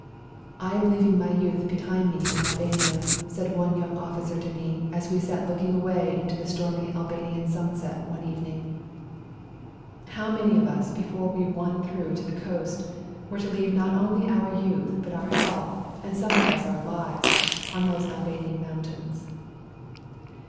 "I am leaving my youth behind GOOD BYE TO SERBIA 115 me in Albania," said one young officer to me as we sat looking away into the stormy Albanian sunset one evening. How many of us before we won through to the coast were to leave not only our youth but our health and some of us our lives on those Albanian mountains